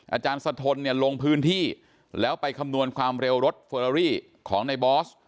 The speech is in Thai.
อาจารย์สะทนเนี่ยลงพื้นที่แล้วไปคำนวณความเร็วรถเฟอรารี่ของในบอส